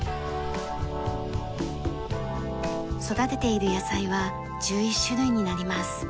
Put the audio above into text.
育てている野菜は１１種類になります。